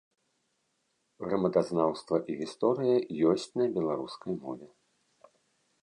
Грамадазнаўства і гісторыя ёсць на беларускай мове.